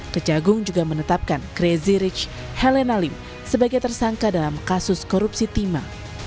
kejagung juga menetapkan crazy rich helena lim sebagai tersangka dalam kasus korupsi timah